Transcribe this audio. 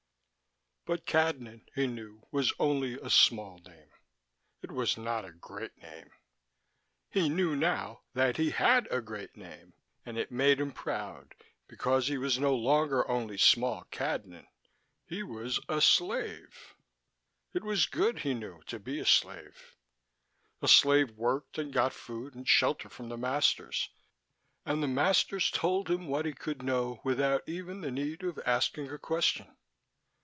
7 But Cadnan, he knew, was only a small name: it was not a great name. He knew now that he had a great name, and it made him proud because he was no longer only small Cadnan: he was a slave. It was good, he knew, to be a slave. A slave worked and got food and shelter from the masters, and the masters told him what he could know without even the need of asking a question.